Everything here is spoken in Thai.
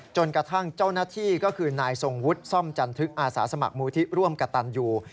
จนกระทั่งเจ้าหน้าที่ก็คือนายทรงวุฒิซ่อมจันทึกอาสาสมัครมูลที่ร่วมกระตันอยู่